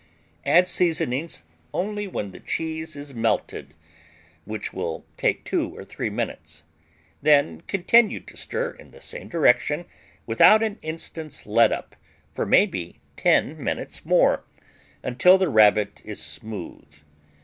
Add seasonings only when the cheese is melted, which will take two or three minutes. Then continue to stir in the same direction without an instant's letup, for maybe ten minutes or more, until the Rabbit is smooth.